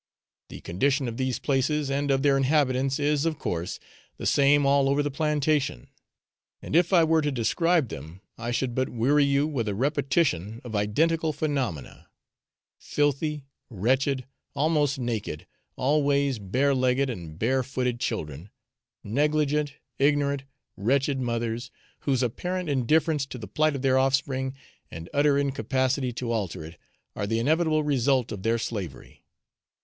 The condition of these places and of their inhabitants is, of course, the same all over the plantation, and if I were to describe them I should but weary you with a repetition of identical phenomena: filthy, wretched, almost naked, always bare legged and bare footed children; negligent, ignorant, wretched mothers, whose apparent indifference to the plight of their offspring, and utter incapacity to alter it, are the inevitable result of their slavery.